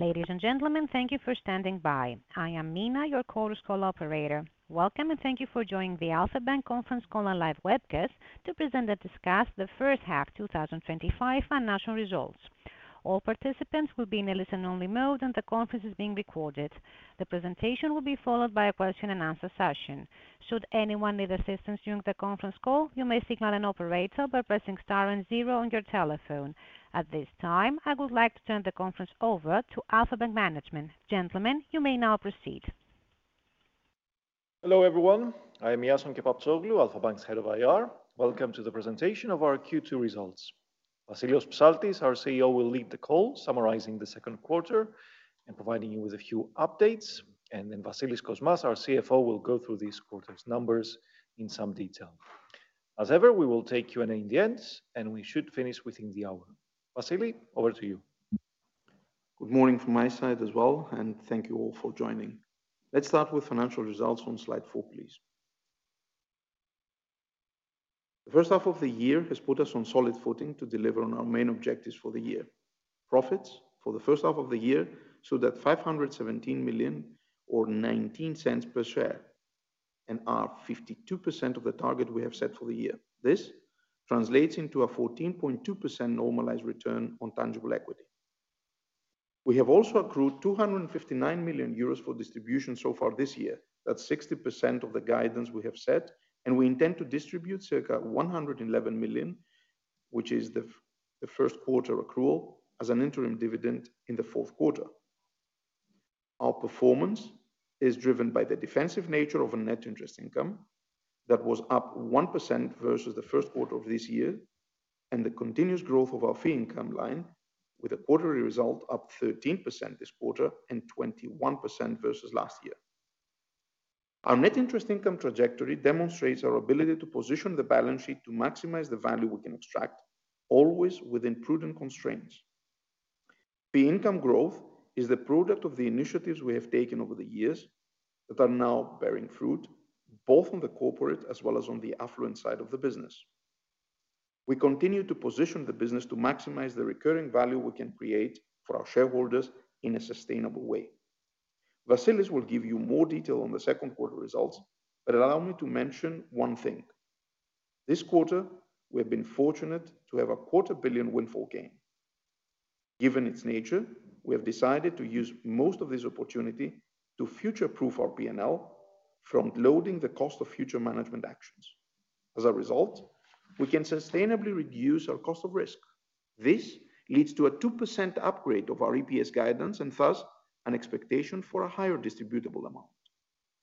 Ladies and gentlemen, thank you for standing by. I am Mina, your Chorus Call operator. Welcome and thank you for joining the Alpha Bank Conference Call and Live Webcast to present and discuss the First Half 2025 Financial Results. All participants will be in a listen-only mode and the conference is being recorded. The presentation will be followed by a question and answer session. Should anyone need assistance during the conference call, you may signal an operator by pressing star and zero on your telephone. At this time, I would like to turn the conference over to Alpha Bank management. Gentlemen, you may now proceed. Hello everyone, I am Iason Kepaptsoglou, Alpha Bank's Head of Investor Relations. Welcome to the presentation of our Q2 results. Vassilios Psaltis, our CEO, will lead the call summarizing the second quarter and providing you with a few updates. Vasilis Kosmas, our CFO, will go through this quarter's numbers in some detail. As ever, we will take Q&A in the end and we should finish within the hour. Vassilios, over to you. Good morning from my side as well and thank you all for joining. Let's start with financial results on slide four, please. The first half of the year has put us on solid footing to deliver on our main objectives for the year. Profits for the first half of the year stood at 517 million or 0.19 per share and are 52% of the target we have set for the year. This translates into a 14.2% normalized return on tangible equity. We have also accrued 259 million euros for distribution so far this year. That's 60% of the guidance we have set and we intend to distribute 111 million, which is the first quarter accrual, as an interim dividend in the fourth quarter. Our performance is driven by the defensive nature of net interest income that was up 1% versus the first quarter of this year and the continuous growth of our fee income line with a quarterly result up 13% this quarter and 21% versus last year. Our net interest income trajectory demonstrates our ability to position the balance sheet to maximize the value we can extract, always within prudent constraints. Fee income growth is the product of the initiatives we have taken over the years that are now bearing fruit both on the corporate as well as on the affluent side of the business. We continue to position the business to maximize the recurring value we can create for our shareholders in a sustainable way. Vasilis will give you more detail on the second quarter results, but allow me to mention one thing. This quarter we have been fortunate to have a quarter billion windfall gain. Given its nature, we have decided to use most of this opportunity to future-proof our P&L, front loading the cost of future management actions. As a result, we can sustainably reduce our cost of risk. This leads to a 2% upgrade of our EPS guidance and thus an expectation for a higher distributable amount.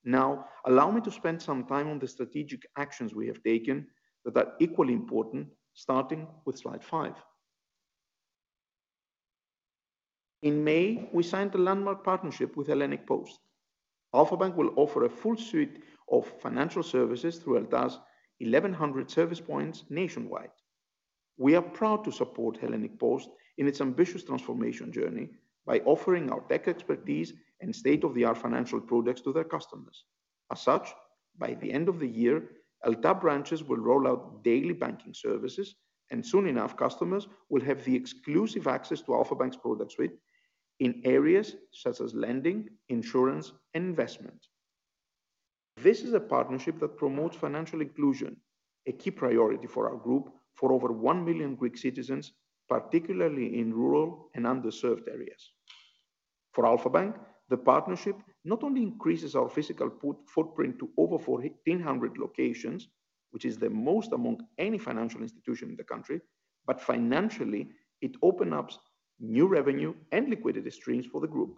Now allow me to spend some time on the strategic actions we have taken that are equally important. Starting with slide 5, in May we signed a landmark partnership with Hellenic Post. Alpha Bank will offer a full suite of financial services through ELTA's 1,100 service points nationwide. We are proud to support Hellenic Post in its ambitious transformation journey by offering our tech expertise and state-of-the-art financial products to their customers. As such, by the end of the year, ELTA branches will roll out daily banking services and soon enough customers will have exclusive access to Alpha Bank's product suite in areas such as lending, insurance, and investment. This is a partnership that promotes financial inclusion, a key priority for our group for over 1 million Greek citizens, particularly in rural and underserved areas. For Alpha Bank, the partnership not only increases our physical footprint to over 1,400 locations, which is the most among any financial institution in the country, but financially it opens up new revenue and liquidity streams for the group.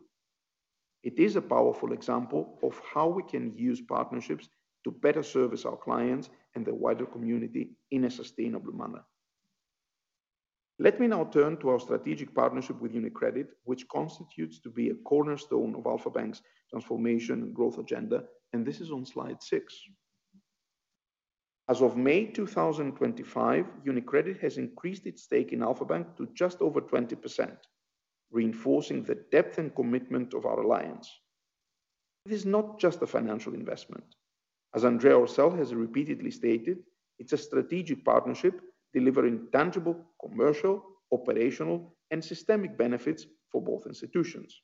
It is a powerful example of how we can use partnerships to better service our clients and the wider community in a sustainable manner. Let me now turn to our strategic partnership with UniCredit, which constitutes a cornerstone of Alpha Bank's transformation and growth agenda. This is on Slide 6. As of May 2025, UniCredit has increased its stake in Alpha Bank to just over 20%, reinforcing the depth and commitment of our alliance. This is not just a financial investment, as Andrea Orcel has repeatedly stated. It's a strategic partnership delivering tangible commercial, operational, and systemic benefits for both institutions.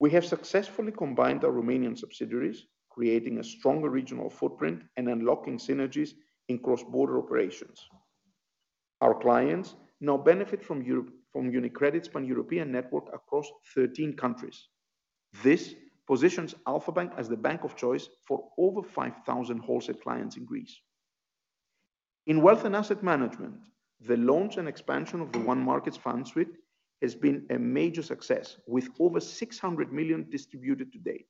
We have successfully combined our Romanian subsidiaries, creating a stronger regional footprint and unlocking synergies in cross-border operations. Our clients now benefit from UniCredit's pan-European network across 13 countries. This positions Alpha Bank as the bank of choice for over 5,000 wholesale clients in Greece in wealth and asset management. The launch and expansion of the One Markets Fund Suite has been a major success, with over 600 million distributed to date.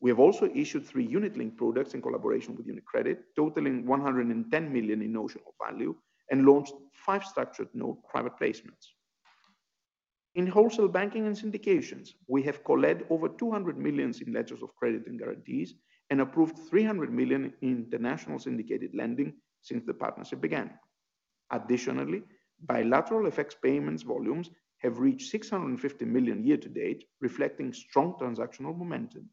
We have also issued three Unit-Linked products in collaboration with UniCredit totaling 110 million in notional value and launched five structured note private placements in wholesale banking and syndications. We have collared over 200 million in letters of credit and guarantees and approved 300 million in international syndicated lending since the partnership began. Additionally, bilateral FX payments volumes have reached 650 million year to date, reflecting strong transactional momentum.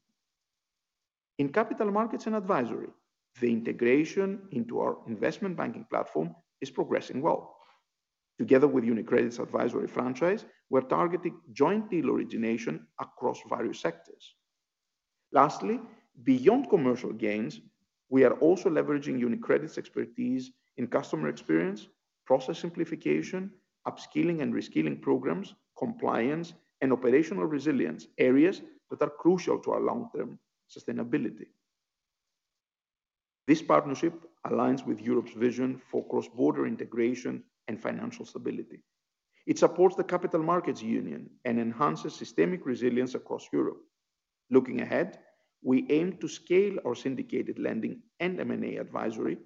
In capital markets and advisory, the integration into our investment banking platform is progressing well. Together with UniCredit's advisory franchise, we're targeting joint deal origination across various sectors. Lastly, beyond commercial gains, we are also leveraging UniCredit's expertise in customer experience, process simplification, upskilling and reskilling programs, compliance, and operational resilience areas that are crucial to our long-term sustainability. This partnership aligns with Europe's vision for cross-border integration and financial stability. It supports the capital markets union and enhances systemic resilience across Europe. Looking ahead, we aim to scale our syndicated lending and M&A advisory,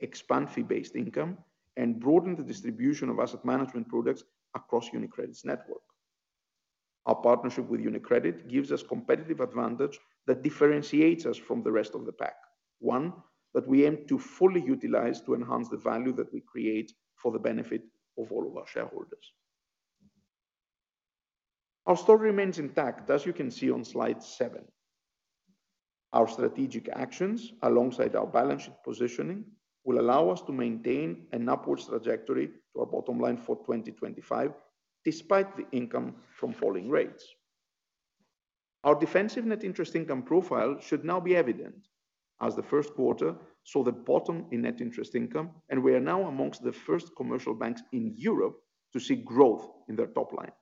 expand fee-based income, and broaden the distribution of asset management products across UniCredit's network. Our partnership with UniCredit gives us competitive advantage that differentiates us from the rest of the pack, one that we aim to fully utilize to enhance the value that we create for the benefit of all of our shareholders. Our story remains intact. As you can see on Slide 7, our strategic actions alongside our balance sheet positioning will allow us to maintain an upwards trajectory to our bottom line for 2025 despite the income from falling rates. Our defensive net interest income profile should now be evident as the first quarter saw the bottom in net interest income, and we are now amongst the first commercial banks in Europe to see growth in their top line.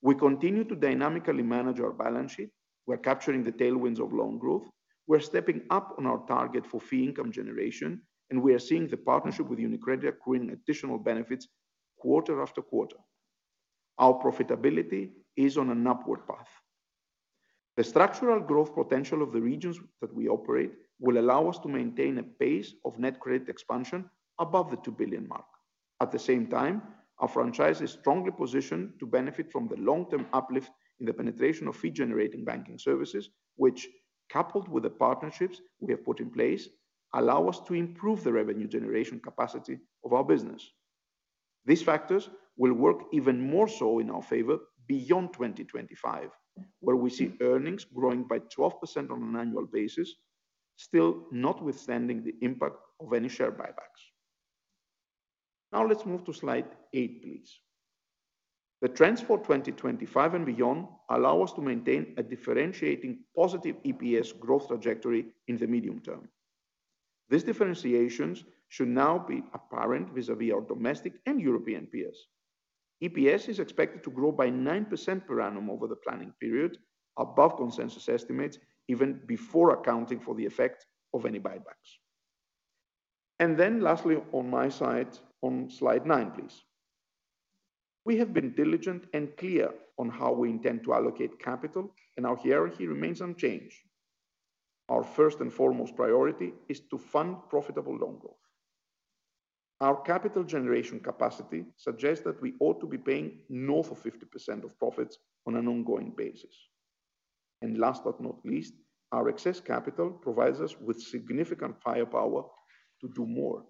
We continue to dynamically manage our balance sheet. We are capturing the tailwinds of loan growth, we are stepping up on our target for fee income generation, and we are seeing the partnership with UniCredit accruing additional benefits quarter after quarter. Our profitability is on an upward path. The structural growth potential of the regions that we operate will allow us to maintain a pace of net credit expansion above the 2 billion mark. At the same time, our franchise is strongly positioned to benefit from the long-term uplift in the penetration of fee-generating banking services, which, coupled with the partnerships we have put in place, allow us to improve the revenue generation capacity of our business. These factors will work even more so in our favor beyond 2025, where we see earnings growing by 12% on an annual basis, still notwithstanding the impact of any share buybacks. Now let's move to Slide 8, please. The trends for 2025 and beyond allow us to maintain a differentiating positive EPS growth trajectory in the medium term. These differentiations should now be apparent vis-à-vis our domestic and European peers. EPS is expected to grow by 9% per annum over the planning period, above consensus estimates, even before accounting for the effect of any buybacks. Lastly, on my side on slide 9, please, we have been diligent and clear on how we intend to allocate capital and our hierarchy remains unchanged. Our first and foremost priority is to fund profitable loan growth. Our capital generation capacity suggests that we ought to be paying north of 50% of profits on an ongoing basis, and last but not least, our excess capital provides us with significant firepower to do more.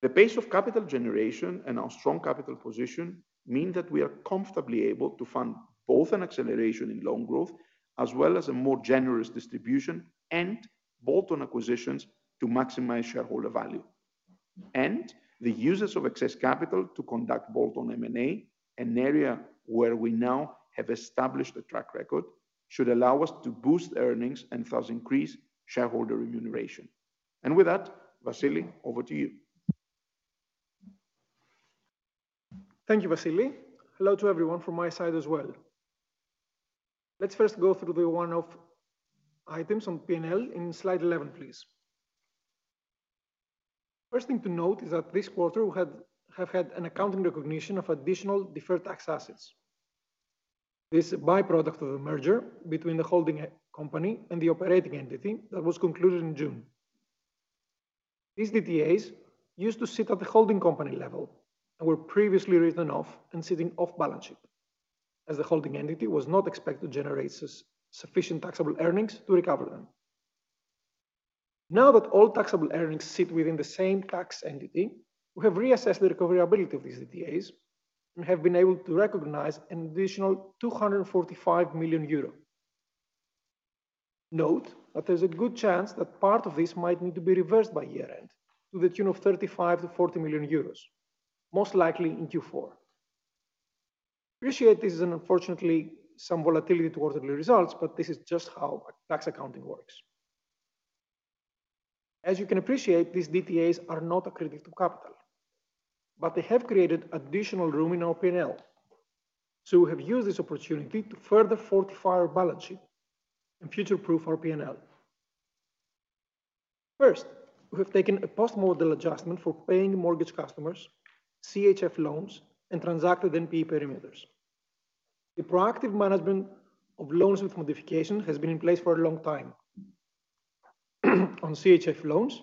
The pace of capital generation and our strong capital position mean that we are comfortably able to fund both an acceleration in loan growth as well as a more generous distribution and bolt-on acquisitions to maximize shareholder value and the uses of excess capital to conduct bolt-on M&A. An area where we now have established a track record should allow us to boost earnings and thus increase shareholder remuneration. With that, Vasilis, over to you. Thank you, Vasilis. Hello to everyone from my side as well. Let's first go through the one-off items on P&L in slide 11, please. First thing to note is that this quarter we have had an accounting recognition of additional deferred tax assets. This is a byproduct of the merger between the holding company and the operating entity that was concluded in June. These DTAs used to sit at the holding company level and were previously written off and sitting off balance sheet as the holding entity was not expected to generate sufficient taxable earnings to recover them. Now that all taxable earnings sit within the same tax entity, we have reassessed the recoverability of these DTAs and have been able to recognize an additional 245 million euro. Note that there is a good chance that part of this might need to be reversed by year end to the tune of 35 to 40 million euros, most likely in Q4. Appreciate this and unfortunately some volatility to the results, but this is just how tax accounting works. As you can appreciate, these DTAs are not accretive to capital, but they have created additional room in our P&L. We have used this opportunity to further fortify our balance sheet and future-proof our P&L. First, we have taken a post-model adjustment for paying mortgage customers, CHF loans, and transacted NPE perimeters. The proactive management of loans with modification has been in place for a long time on CHF loans.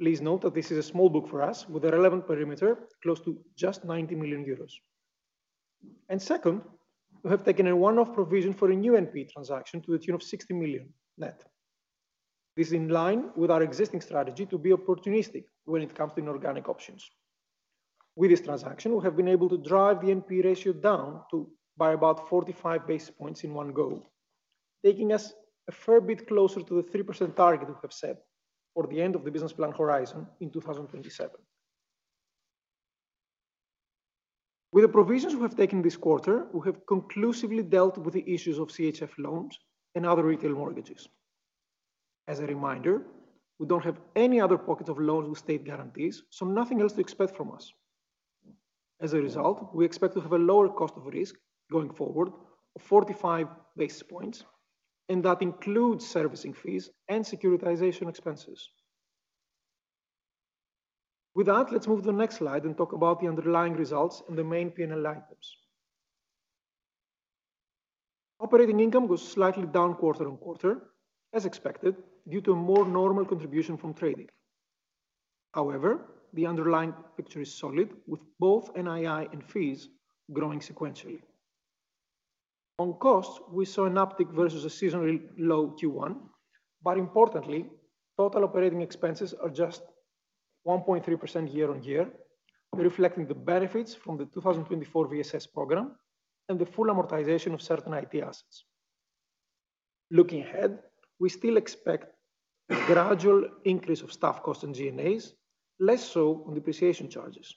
Please note that this is a small book for us with a relevant perimeter close to just 90 million euros, and second, we have taken a one-off provision for a new NP transaction to the tune of 60 million. This is in line with our existing strategy to be opportunistic when it comes to inorganic options. With this transaction, we have been able to drive the NPE ratio down by about 45 basis points in one go, taking us a fair bit closer to the 3% target we have set for the end of the business plan horizon in 2027. With the provisions we have taken this quarter, we have conclusively dealt with the issues of CHF loans and other retail mortgages. As a reminder, we don't have any other pockets of loans with state guarantees, so nothing else to expect from us. As a result, we expect to have a lower cost of risk going forward of 45 basis points, and that includes servicing fees and securitization expenses. With that, let's move to the next slide and talk about the underlying results and the main P&L. Operating income goes slightly down quarter on quarter as expected due to a more normal contribution from trading. However, the underlying picture is solid with both NII and fees growing sequentially. On cost, we saw an uptick versus a seasonally low Q1. Importantly, total operating expenses are just 1.3% year on year, reflecting the benefits from the 2024 VSS program and the full amortization of certain IT assets. Looking ahead, we still expect gradual increase of staff costs and G&As, less so on depreciation charges.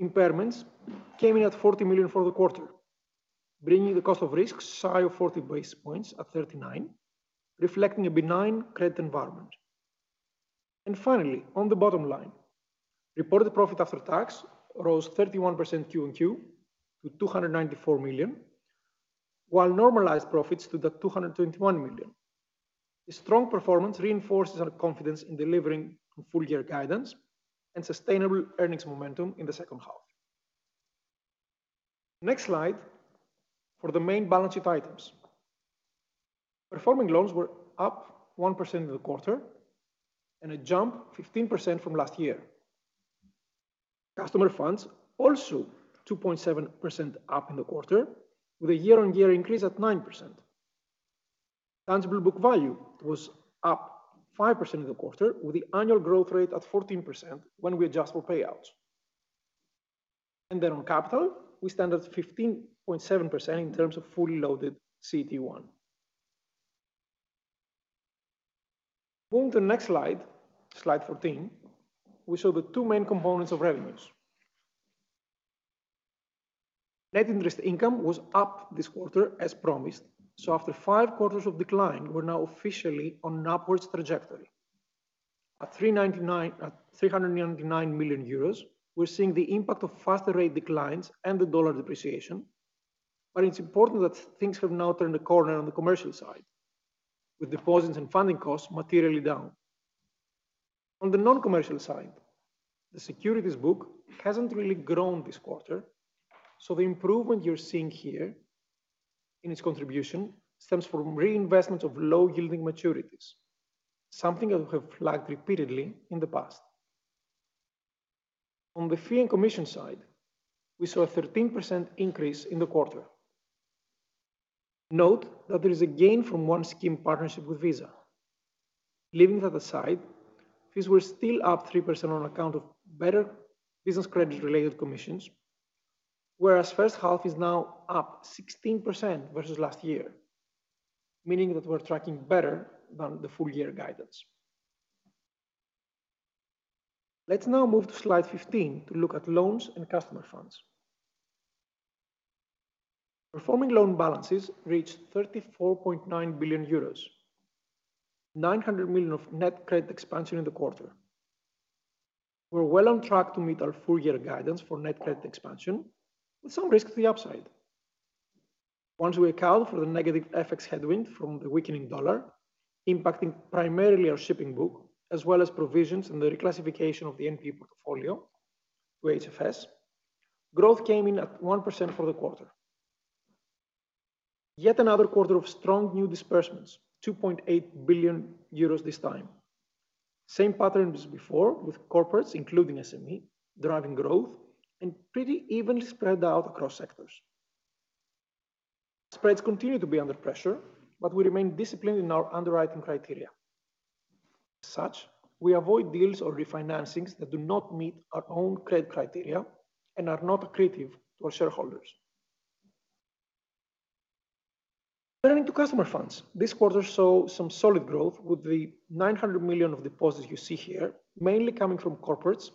Impairments came in at $40 million for the quarter, bringing the cost of risk shy of 40 basis points at 39, reflecting a benign credit environment. Finally, on the bottom line, reported profit after tax rose 31% Q/Q to $294 million while normalized profits stood at $221 million. This strong performance reinforces our confidence in delivering full year guidance and sustainable earnings momentum in the second half. Next slide. For the main balance sheet items, performing loans were up 1% in the quarter and a jump 15% from last year. Customer funds also 2.7% up in the quarter with a year on year increase at 9%. Tangible book value was up 5% in the quarter with the annual growth rate at 14%. When we adjust for payouts and then on capital, we stand at 15.7% in terms of fully loaded CET1. Moving to the next slide, slide 14, we show the two main components of revenues. Net interest income was up this quarter as promised, so after five quarters of decline we're now officially on an upwards trajectory at 399 million euros. We're seeing the impact of faster rate declines and the dollar depreciation, but it's important that things have now turned a corner on the commercial side with deposits and funding costs materially down. On the non-commercial side, the securities book hasn't really grown this quarter, so the improvement you're seeing here in its contribution stems from reinvestments of low yielding maturities, something that we've flagged repeatedly in the past. On the fee and commission side, we saw a 13% increase in the quarter. Note that there is a gain from one scheme partnership with Visa. Leaving that aside, fees were still up 3% on account of better business credit related commissions, whereas first half is now up 16% versus last year, meaning that we're tracking better than the full year guidance. Let's now move to slide 15 to look at loans and customer funds performing. Loan balances reached 34.9 billion euros, 900 million of net credit expansion in the quarter. We're well on track to meet our full year guidance for net credit expansion with some risk to the upside once we account for the negative FX headwind from the weakening dollar impacting primarily our shipping book as well as provisions and the reclassification of the NPE. Portfolio growth came in at 1% for the quarter. Yet another quarter of strong new disbursements, 2.8 billion euros this time. Same pattern as before with corporates including SME driving growth and pretty evenly spread out across sectors. Spreads continue to be under pressure, but we remain disciplined in our underwriting criteria. As such, we avoid deals or refinancings that do not meet our own credit criteria and are not accretive to our shareholders. Turning to customer funds, this quarter saw some solid growth with the 900 million of deposits you see here mainly coming from corporates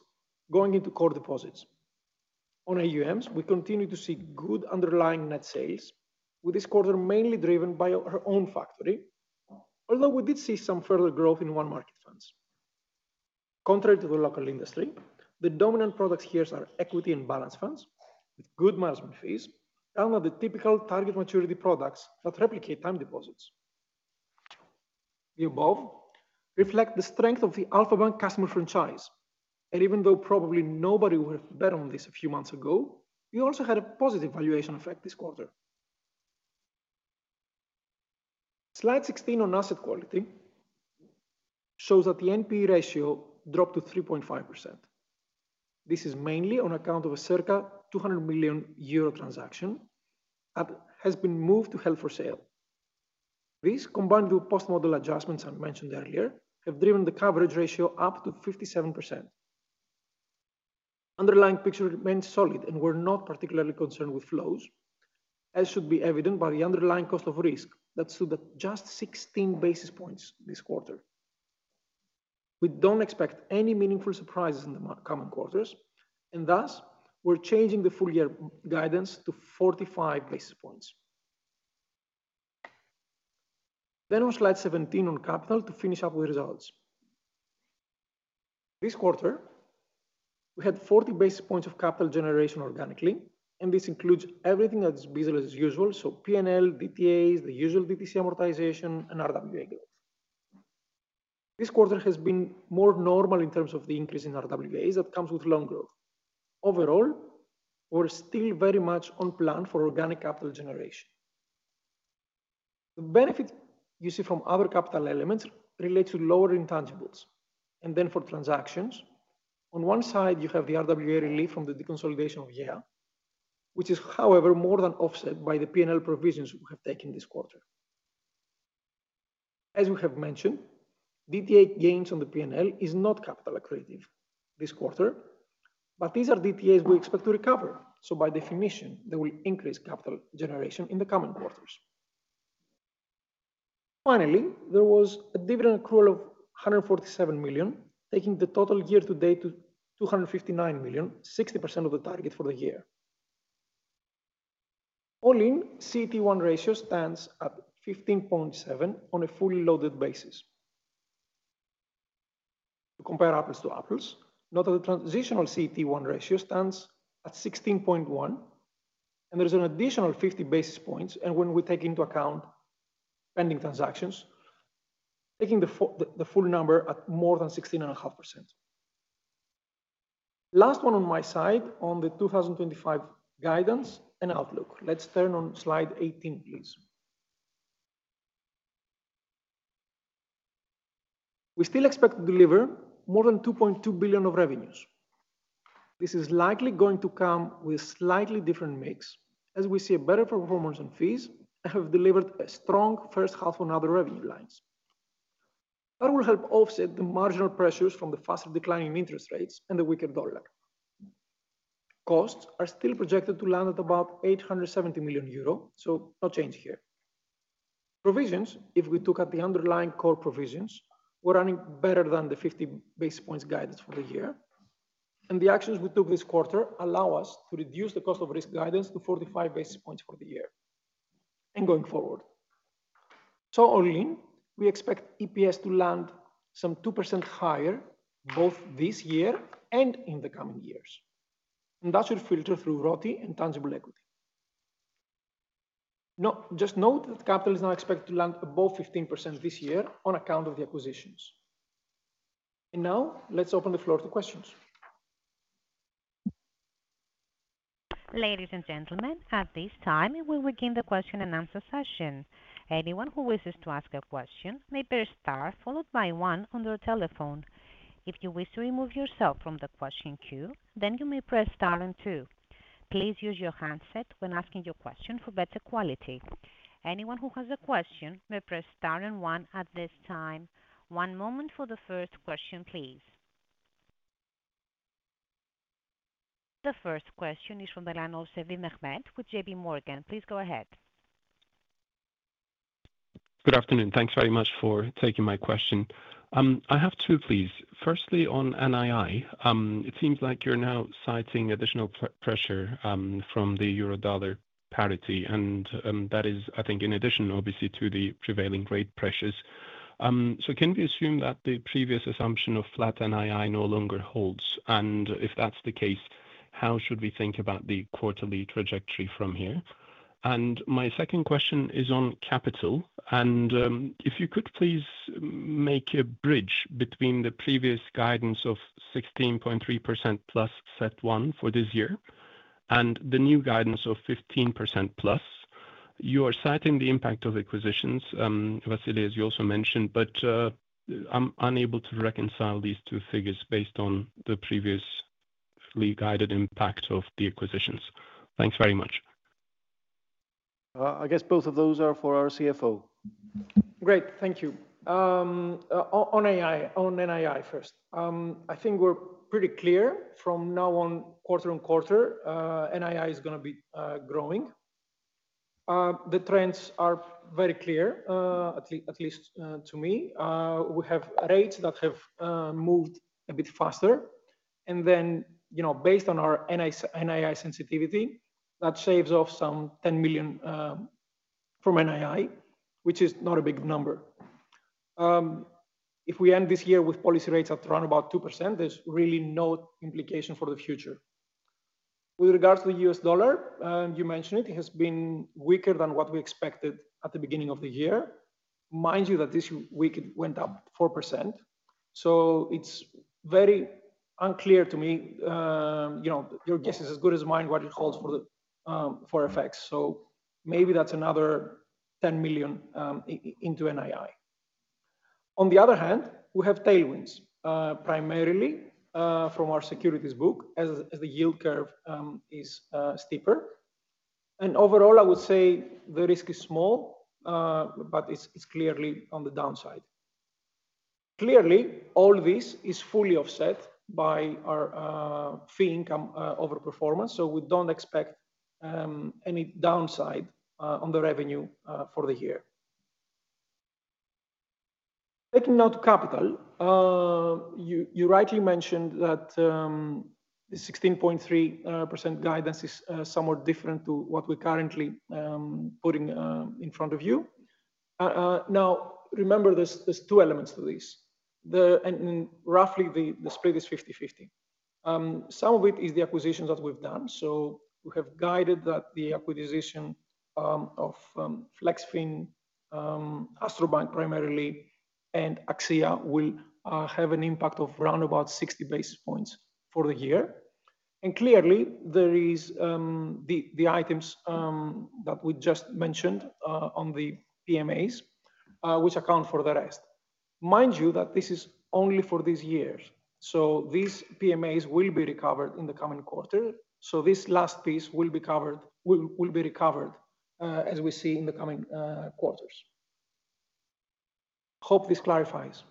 going into core deposits on AuMs. We continue to see good underlying net sales with this quarter mainly driven by our own factory, although we did see some further growth in One Markets Fund Suite. Contrary to the local industry, the dominant products here are equity and balance funds with good management fees and are the typical target maturity products that replicate time deposits. The above reflect the strength of the Alpha Bank customer franchise and even though probably nobody would bet on this a few months ago, we also had a positive valuation effect this quarter. Slide 16 on asset quality shows that the NPE ratio dropped to 3.5%. This is mainly on account of a circa 200 million euro transaction that has been moved to held for sale. These combined with post model adjustments I mentioned earlier have driven the coverage ratio up to 57%. Underlying pictures remained solid and we're not particularly concerned with flows as should be evident by the underlying cost of risk that stood at just 16 basis points this quarter. We don't expect any meaningful surprises in the coming quarters and thus we're changing the full year guidance to 45 basis points. On slide 17 on capital, to finish up with results this quarter, we had 40 basis points of capital generation organically and this includes everything as business as usual. P&L DTAs, the usual DTC amortization, and RWA growth this quarter has been more normal in terms of the increase in RWAs that comes with loan growth. Overall, we're still very much on plan for organic capital generation. The benefit you see from other capital elements relates to lower intangibles, and then for transactions, on one side you have the RWA relief from the deconsolidation, which is however more than offset by the P&L provisions we have taken this quarter. As we have mentioned, DTA gains on the P&L are not capital accretive this quarter, but these are DTAs we expect to recover. By definition, they will increase capital generation in the coming quarters. Finally, there was a dividend accrual of 147 million, taking the total year to date to 259 million, 60% of the target for the year. All in, CET1 ratio stands at 15.7% on a fully loaded basis. To compare apples to apples, note that the transitional CET1 ratio stands at 16.1% and there is an additional 50 basis points. When we take into account pending transactions, the full number is more than 16.5%. Last one on my side on the 2025 guidance and outlook. Let's turn on slide 18, please. We still expect to deliver more than 2.2 billion of revenues. This is likely going to come with a slightly different mix as we see a better performance on fees and have delivered a strong first half on other revenue lines that will help offset the marginal pressures from the faster declining interest rates and the weaker dollar. Costs are still projected to land at about 870 million euro, so no change here. Provisions, if we look at the underlying core provisions, were running better than the 50 basis points guidance for the year, and the actions we took this quarter allow us to reduce the cost of risk guidance to 45 basis points for the year and going forward. Early in, we expect EPS to land some 2% higher both this year and in the coming years, and that should filter through ROTI and tangible equity. Just note that capital is now expected to land above 15% this year on account of the acquisitions. Now let's open the floor to questions. Ladies and gentlemen, at this time we begin the question and answer session. Anyone who wishes to ask a question may press star followed by one on the telephone. If you wish to remove yourself from the question queue, you may press star and two. Please use your handset when asking your question for better quality. Anyone who has a question may press star and one at this time. One moment for the first question, please. The first question is from the line of Sevim Mehmed with J. P. Morgan. Please go ahead. Good afternoon. Thanks very much for taking my question. I have two, please. Firstly, on NII, it seems like you're now citing additional pressure from the Eurodollar parity, and that is, I think, in addition obviously to the prevailing rate pressures. Can we assume that the previous assumption of flat NII no longer holds? If that's the case, how should we think about the quarterly trajectory from here? My second question is on capital. If you could please make a bridge between the previous guidance of 16.3% plus CET1 for this year and the new guidance of 15% plus. You are citing the impact of acquisitions, Vasilis, as you also mentioned, but I'm unable to reconcile these two figures based on the previously guided impact of the acquisitions. Thanks very much. I guess both of those are for our CFO. Great, thank you. On AI, on NII, first, I think we're pretty clear from now on quarter on quarter, NII is going to be growing. The trends are very clear, at least to me. We have rates that have moved a bit faster. Based on our NII sensitivity, that shaves off some 10 million from NII, which is not a big number. If we end this year with policy rates at around about 2%, there's really no implication for the future. With regards to the U.S. dollar, you mentioned it has been weaker than what we expected at the beginning of the year. Mind you that this week it went up 4%. It's very unclear to me. Your guess is as good as mine what it holds for FX. Maybe that's another 10 million into NII. On the other hand, we have tailwinds, primarily from our securities book as the yield curve is steeper and overall I would say the risk is small. It's clearly on the downside. Clearly all this is fully offset by our fee income overperformance. We don't expect any downside on the revenue for the year. Taking now to capital, you rightly mentioned that the 16.3% guidance is somewhat different to what we're currently putting in front of you now. Remember, there's two elements to this and roughly the split is 50-50. Some of it is the acquisitions that we've done. We have guided that the acquisition of Flexfin, Astrobank primarily, and Axia will have an impact of roundabout 60 basis points for the year. There are the items that we just mentioned on the PMAs which account for the rest. Mind you that this is only for these years. These PMAs will be recovered in the coming quarter. This last piece will be covered, will be recovered as we see in the coming quarters. Hope this clarifies.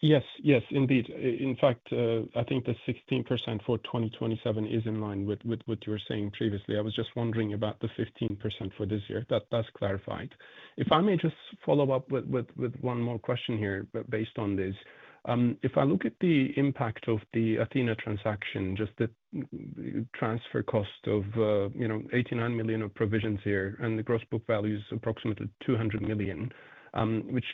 Yes, yes indeed. In fact, I think the 16% for 2027 is in line with what you were saying previously. I was just wondering about the 15% for this year, that does clarify it. If I may just follow up with one more question here based on this. If I look at the impact of the Athena transaction, just the transfer cost of $89 million of provisions here and the gross book value is approximately $200 million, which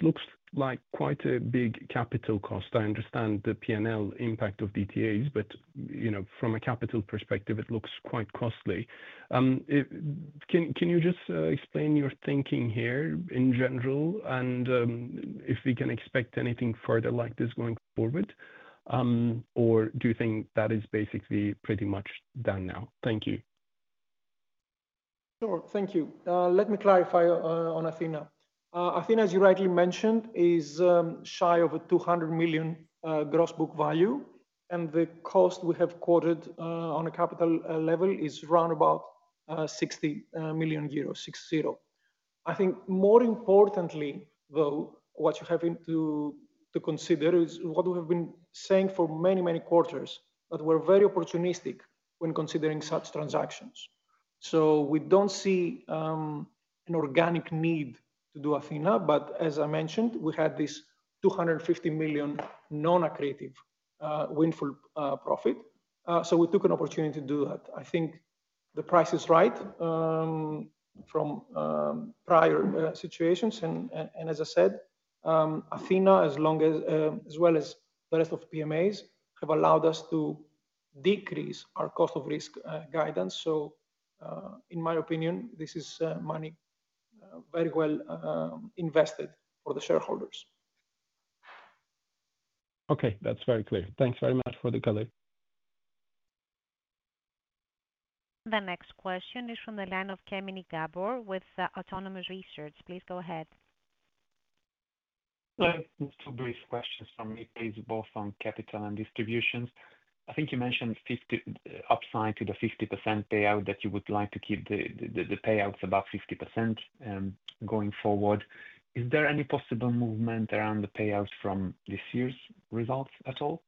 looks like quite a big capital cost. I understand the P&L impact of DTAs, but you know, from a capital perspective it looks quite costly. Can you just explain your thinking here in general and if we can expect anything further like this going forward or do you think that is basically pretty much done now? Thank you. Sure, thank you. Let me clarify on Athena. Athena, as you rightly mentioned, is shy of 200 million gross book value and the cost we have quoted on a capital level is around 60 million euros, 60 I think. More importantly, what you have to consider is what we have been saying for many, many quarters, that we're very opportunistic when considering such transactions. We don't see an organic need to do Athena. As I mentioned, we had this 250 million non-accretive windfall profit, so we took an opportunity to do that. I think the price is right from prior situations, and as I said, Athena as well as the rest of PMAs have allowed us to decrease our cost of risk guidance. In my opinion, this is money very well invested for the shareholders. Okay, that's very clear. Thanks very much for the colleague. The next question is from the line of Kemeny Gabor with Autonomous Research. Please go ahead. Two brief questions from Mickey's, both on capital and distributions. I think you mentioned upside to the 50% payout, that you would like to keep the payouts above 50% going forward. Is there any possible movement around the payout from this year's results at all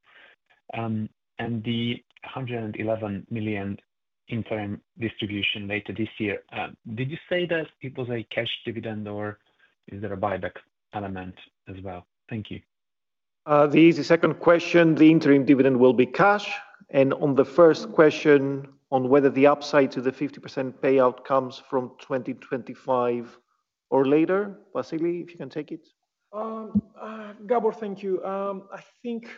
and the 111 million interim distribution later this year? Did you say that it was a cash dividend or is there a buyback element as well? Thank you. The easy second question, the interim dividend will be cash. On the first question on whether the upside to the 50% payout comes from 2025 or later. Vasilis, if you can take it. Gabor, thank you. I think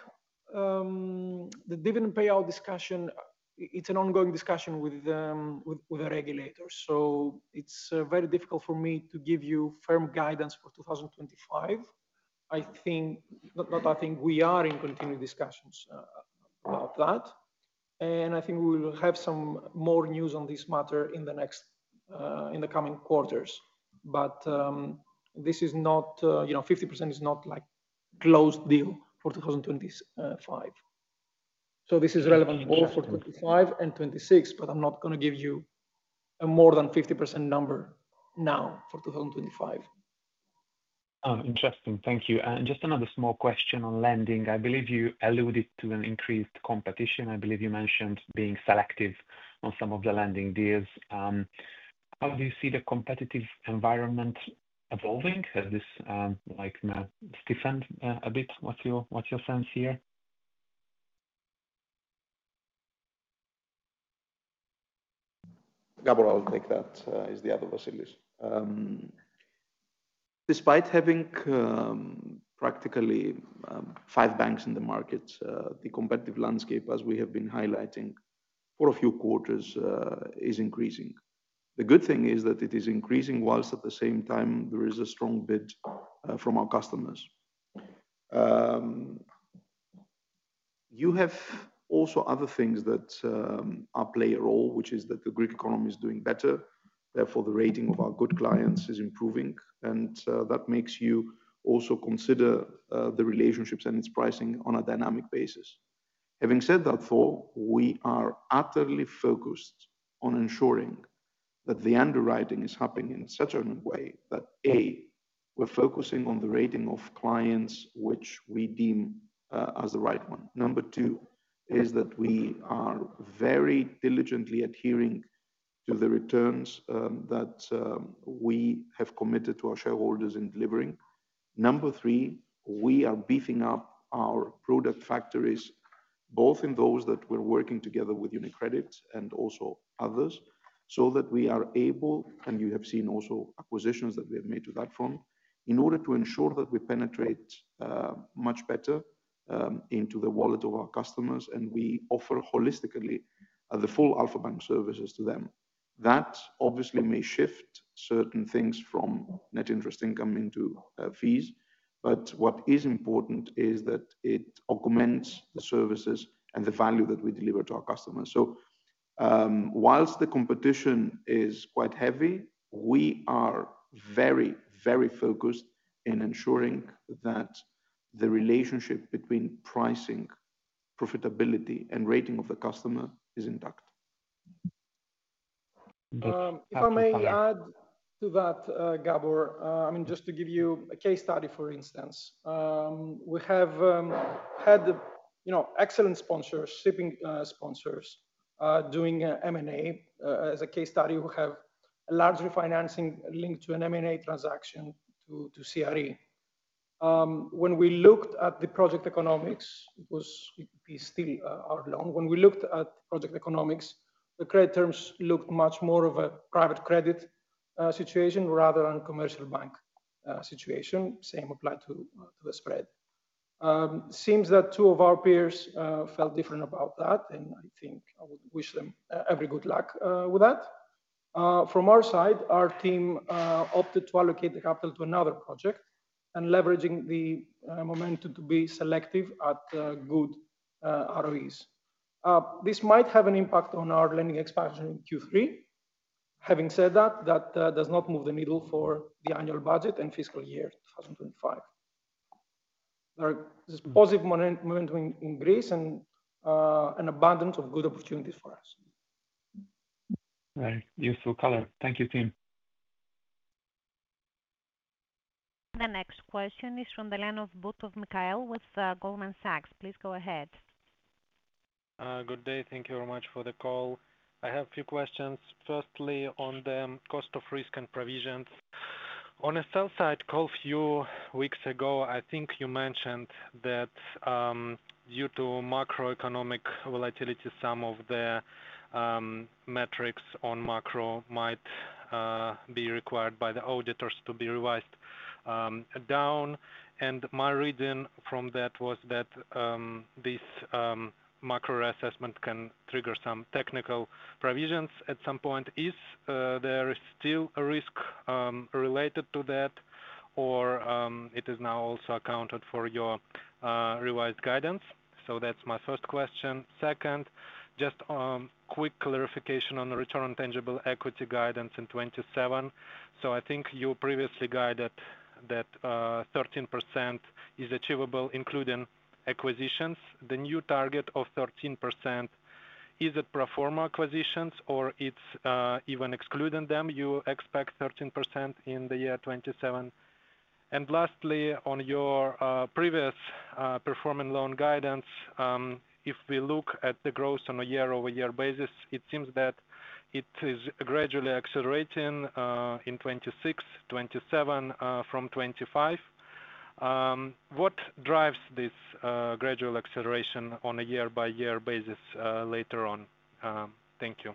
the dividend payout discussion, it's an ongoing discussion with the regulator. It's very difficult for me to give you firm guidance for 2025. I think not. We are in continued discussions about that and I think we will have some more news on this matter in the coming quarters. This is not, you know, 50% is not like closed deal for 2025. This is relevant both for 2025 and 2026. I'm not going to give you a more than 50% number now for 2025. Interesting. Thank you. Just another small question on lending. I believe you alluded to increased competition. I believe you mentioned being selective on some of the lending deals. How do you see the competitive environment evolving? Stiffened a bit. What's your sense here? Gabor? I'll take that as the other to Vasilis. Despite having practically five banks in the market, the competitive landscape, as we have been highlighting for a few quarters, is increasing. The good thing is that it is increasing, whilst at the same time there is a strong bid from our customers. You have also other things that play a role, which is that the Greek economy is doing better. Therefore, the rating of our good clients is improving, and that makes you also consider the relationships and its pricing on a dynamic basis. Having said that, we are utterly focused on ensuring that the underwriting is happening in such a way that we're focusing on the rating of clients which we deem as the right one. Number two is that we are very diligently adhering to the returns that we have committed to our shareholders in delivering. Number three, we are beefing up our product factories, both in those that we're working together with UniCredit and also others, so that we are able, and you have seen also acquisitions that we have made to that front, in order to ensure that we penetrate much better into the wallet of our customers. We offer holistically the full Alpha Bank services to them that obviously may shift certain things from net interest income into fees. What is important is that it augments the services and the value that we deliver to our customers. Whilst the competition is quite heavy, we are very, very focused in ensuring that the relationship between pricing, profitability, and rating of the customer is intact. If I may add to that, Gabor, just to give you a case study, for instance, we have had excellent sponsors, shipping sponsors doing M&A as a case study who have a large refinancing linked to an M&A transaction to CRE. When we looked at the project economics, still are long. When we looked at project economics, the credit terms looked much more of a private credit situation rather than a commercial bank situation. Same applied to the spread. Seems that two of our peers felt different about that, and I think I would wish them every good luck with that. From our side, our team opted to allocate the capital to another project and leveraging the momentum to be selective at good ROEs. This might have an impact on our lending expansion in Q3. Having said that, that does not move the needle for the annual budget and fiscal year 2025. There is positive momentum in Greece and an abundance of good opportunities for us. Useful color, thank you, team. The next question is from the line of Butkov Mikhail with Goldman Sachs. Please go ahead. Good day. Thank you very much for the call. I have a few questions. Firstly, on the cost of risk and provisions, on a sell side call a few weeks ago, I think you mentioned that due to macroeconomic volatility, some of the metrics on macro might be required by the auditors to be revised down, and my reading from that was that this macro assessment can trigger some technical provisions at some point. Is there still a risk related to that, or is it now also accounted for in your revised guidance? That's my first question. Second, just a quick clarification on the return on tangible equity guidance in 2027. I think you previously guided that 13% is achievable including acquisitions. The new target of 13% is a pro forma acquisitions, or is it even excluding them? You expect 13% in the year 2027. Lastly, on your previous performing loan guidance, if we look at the growth on a year-over-year basis, it seems that it is gradually accelerating in 2026 and 2027 from 2025. What drives this gradual acceleration on a year-by-year basis later on? Thank you.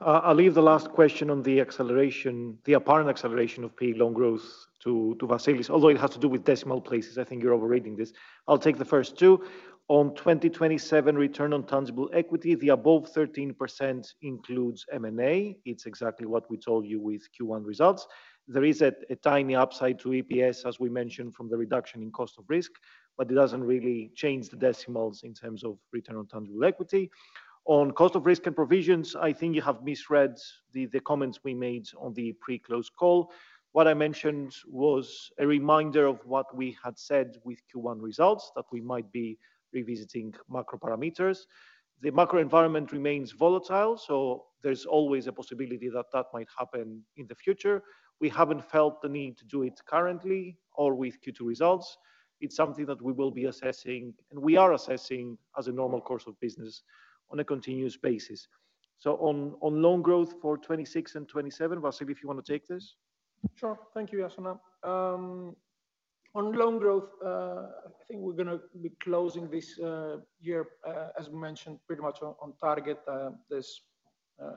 I'll leave the last question on the acceleration. The apparent acceleration of peak loan growth to Vasilis, although it has to do with decimal places, I think you're overrating this. I'll take the first two. On 2027 return on tangible equity, the above 13% includes M&A. It's exactly what we told you with Q1 results. There is a tiny upside to EPS, as we mentioned, from the reduction in cost of risk, but it doesn't really change the decimals in terms of return on tangible equity, on cost of risk and provisions. I think you have misread the comments we made on the pre-close call. What I mentioned was a reminder of what we had said with Q1 results that we might be revisiting macro parameters. The macro environment remains volatile, so there's always a possibility that that might happen in the future. We haven't felt the need to do it currently or with Q2 results. It's something that we will be assessing and we are assessing as a normal course of business on a continuous basis. On loan growth for 2026 and 2027, Vasilis, if you want to take this. Sure. Thank you, Iason. On loan growth, I think we're going to be closing this year, as we mentioned, pretty much on target. There's,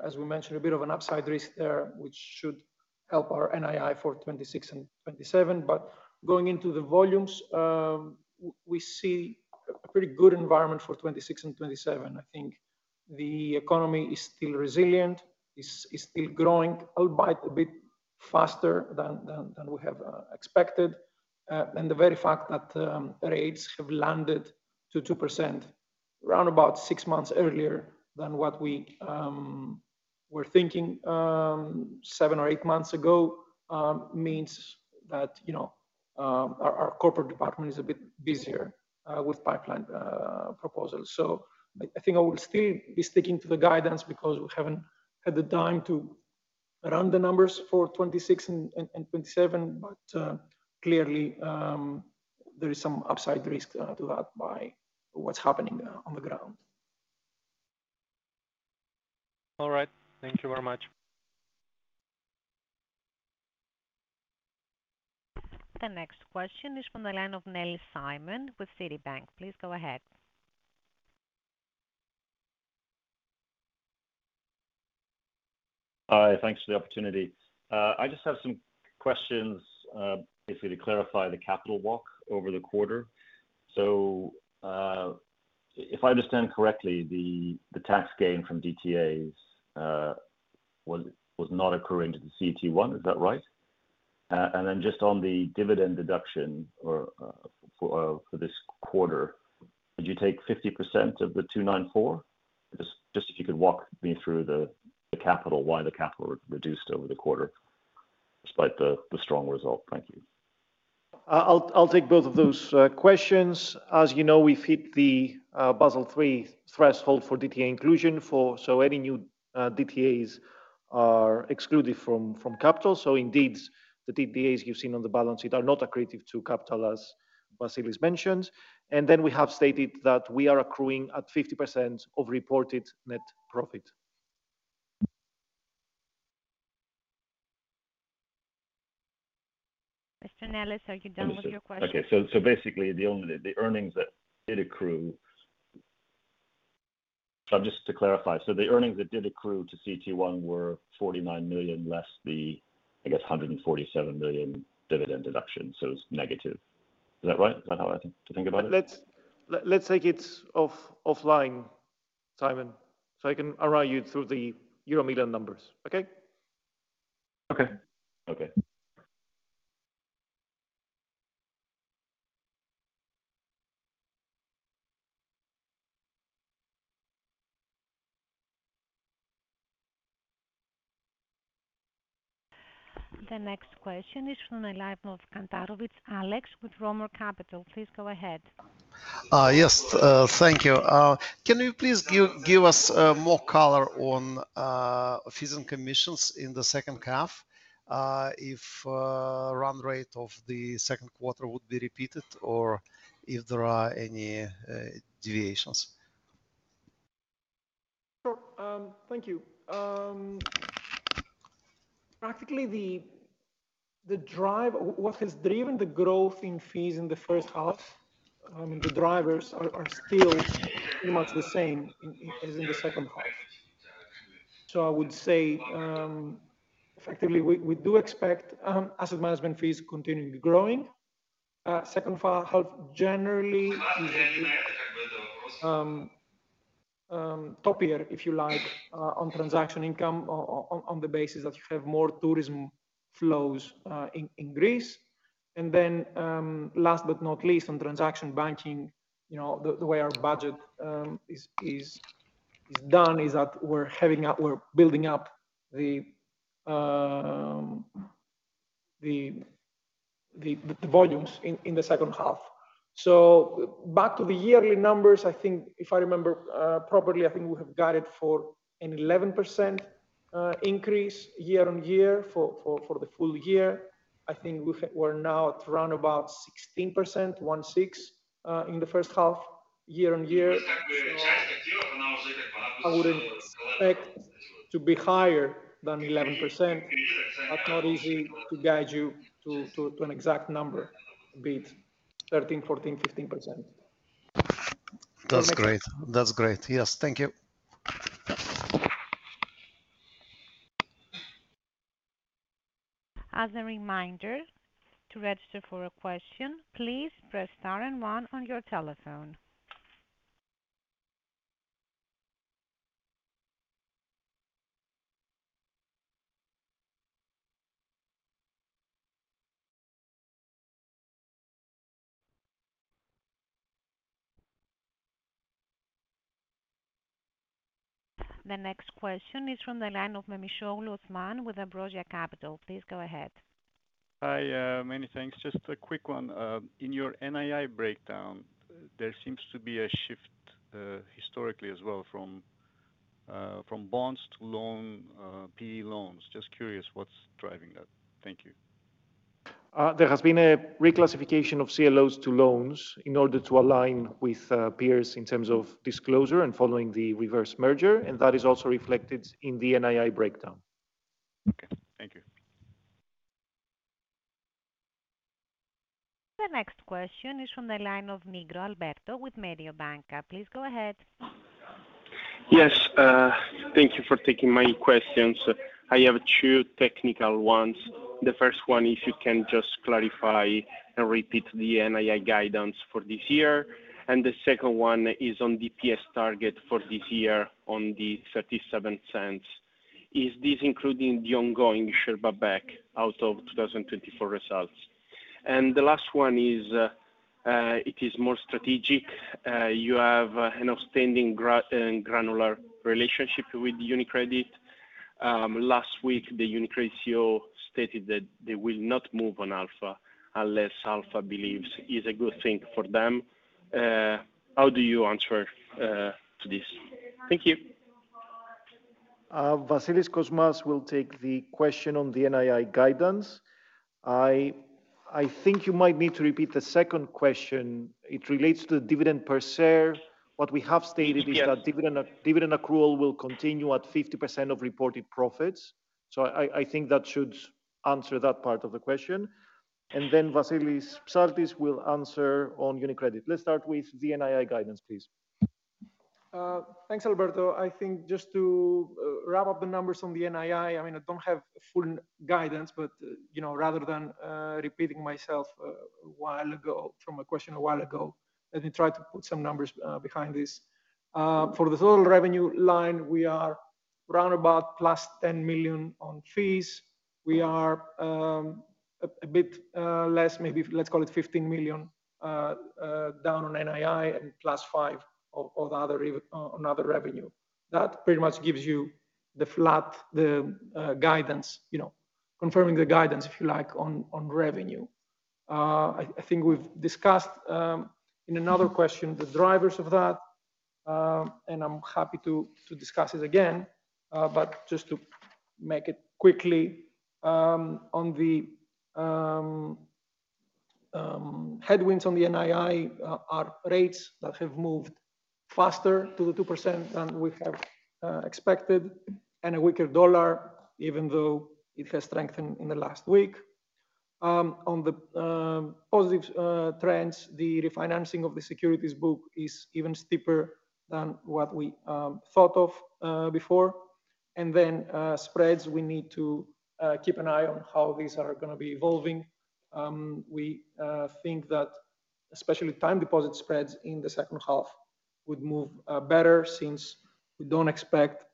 as we mentioned, a bit of an upside risk there, which should help our NII for 2026 and 2027. Going into the volumes, we see a pretty good environment for 2026 and 2027. I think the economy is still resilient, it's still growing, albeit a bit faster than we have expected. The very fact that rates have landed to 2% around about six months earlier than what we were thinking seven or eight months ago means that our corporate department is a bit busier with pipeline proposals. I think I will still be sticking to the guidance because we haven't had the time to run the numbers for 2026 and 2027. Clearly there is some upside risk to that by what's happening on the ground. All right, thank you very much. The next question is from the line of Nellis Simon with Citibank. Please go ahead. Hi, thanks for the opportunity. I just have some questions. If we clarify the capital walk over the quarter. If I understand correctly, the tax gain from DTAs was not accruing to the CET1, is that right? Just on the dividend deduction for this quarter, would you take 50% of the $294 million? If you could walk me through the capital. Why the capital reduced over the quarter despite the strong result. Thank you. I'll take both of those questions. As you know, we fit the Basel III threshold for DTA inclusion. Any new DTAs are excluded from capital. The DTAs you've seen on the balance sheet are not accretive to capital, as Vasilis mentioned. We have stated that we are accruing at 50% of reported net profit. Mr. Nellis, are you done with your question? Okay, so basically the earnings that did accrue, just to clarify, the earnings that did accrue to CET1 were $49 million less the, I guess, $147 million dividend deductions. It's negative, is that right? Is that how I think about it? Let's take it offline, Simon, so I can walk you through the euro million numbers. Okay. The next question is from Kantarovich, Alex with Roemer Capital. Please go ahead. Yes, thank you. Can you please give us more color on fees and commissions in the second half? If run rate of the second quarter would be repeated or if there are any deviations? Thank you. Practically the drive, what has driven the growth in fees in the first half? The drivers are still pretty much the same as in the second half. I would say effectively we do expect asset management fees continuing growing second half, generally top year, if you like, on transaction income on the basis that you have more tourism flows in Greece. Last but not least, on transaction banking, the way our budget is done is that we're having. We're building up the volumes in the second half. Back to the yearly numbers. I think, if I remember properly, I think we have guided for an 11% increase year on year. For the full year, I think we're now at around about 16% in the first half, year on year. To be higher than 11%. That's not easy to guide you to an exact number, be it 13%, 14%, 15%. That's great. That's great. Yes, thank you. As a reminder to register for a question, please press star one on your telephone. The next question is from the line of Memisoglu, Osman with Ambrosia Capital. Please go ahead. Hi, many thanks. Just a quick one. In your NII breakdown, there seems to be a shift historically as well from bonds to PE loans. Just curious what's driving that. Thank you. There has been a reclassification of CLOs to loans in order to align with peers in terms of disclosure following the reverse merger. That is also reflected in the NII breakdown. Okay, thank you. The next question is from the line of Alberto Nigro with Mediobanca. Please go ahead. Yes, thank you for taking my questions. I have two technical ones. The first one, if you can just clarify and repeat the NII guidance for this year. The second one is on DPS target for this year on the $0.37. Is this including the ongoing Sherba back out of 2024 results? The last one is more strategic. You have an outstanding granular relationship with UniCredit. Last week, UniCredit stated that they will not move on Alpha unless Alpha believes it is a good thing for them. How do you answer to this? Thank you. Vasilis Kosmas will take the question on the NII guidance. I think you might need to repeat the second question. It relates to the dividend per share. What we have stated is that dividend accrual will continue at 50% of reported profits. I think that should answer that part of the question. Vassilios Psaltis will answer on UniCredit. Let's start with the NII guidance please. Thanks, Alberto. I think just to wrap up the numbers on the NII, I mean I don't have full guidance, but rather than repeating myself from a question a while ago, let me try to put some numbers behind this. For the total revenue line, we are around about plus 10 million on fees. We are a bit less, maybe let's call it 15 million down on NII, and plus 5 million on other revenue. That pretty much gives you the flat, the guidance, confirming the guidance if you like on revenue. I think we've discussed in another question the drivers of that, and I'm happy to discuss it again. Just to make it quickly on the headwinds on the NII are rates that have moved faster to the 2% than we have expected and a weaker dollar even though it has strengthened in the last week. On the positive trends, the refinancing of the securities book is even steeper than what we thought of before. Spreads, we need to keep an eye on how these are going to be evolving. We think that especially time deposit spreads in the second half would move better since we don't expect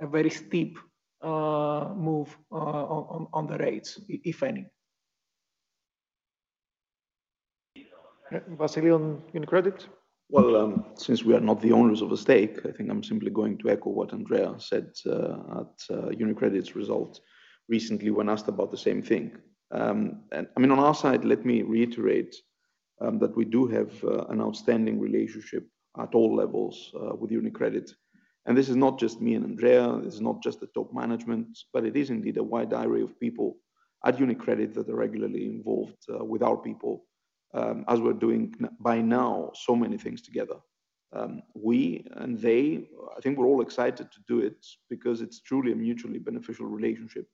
a very steep move on the rates, if any. Vasilis on UniCredit? Since we are not the owners of the stake, I think I'm simply going to echo what Andrea said at UniCredit's result recently when asked about the same thing. I mean, on our side, let me reiterate that we do have an outstanding relationship at all levels with UniCredit. This is not just me and Andrea. This is not just the top management, but it is indeed a wide array of people at UniCredit that are regularly involved with our people as we're doing by now so many things together. We and they, I think we're all excited to do it because it's truly a mutually beneficial relationship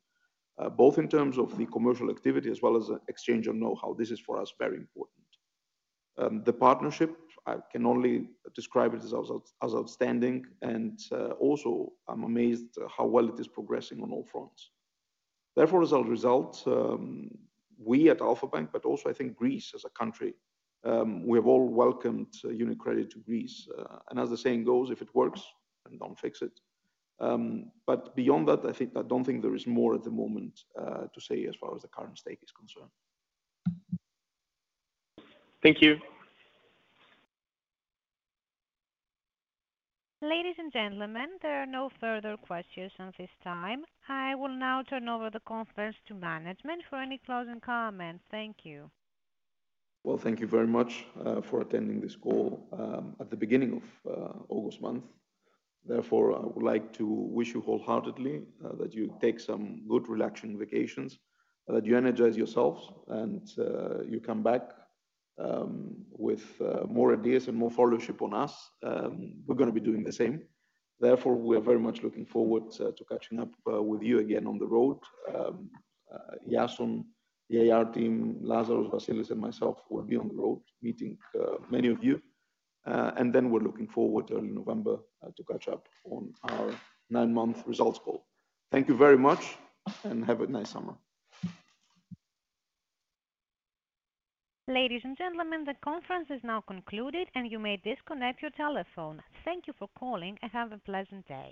both in terms of the commercial activity as well as exchange of know-how. This is for us very important. The partnership, I can only describe it as outstanding and also I'm amazed how well it is progressing on all fronts. Therefore, as a result, we at Alpha Bank, but also I think Greece as a country, we have all welcomed UniCredit to Greece and as the saying goes, if it works, don't fix it. Beyond that, I don't think there is more at the moment to say as far as the current state is concerned. Thank you. Ladies and gentlemen, there are no further questions at this time. I will now turn over the conference to management for any closing comments. Thank you. Thank you very much for attending this call at the beginning of August month. Therefore, I would like to wish you wholeheartedly that you take some good relaxing vacations, that you energize yourselves and you come back with more ideas and more followership on us. We're going to be doing the same. Therefore we are very much looking forward to catching up with you again on the road. Iason, the IR team, Lazaros, Vasilis and myself will be on the road meeting many of you and then we're looking forward to early November to catch up on our nine month results call. Thank you very much and have a nice summer. Ladies and gentlemen, the conference is now concluded and you may disconnect your telephone. Thank you for calling. Have a pleasant day.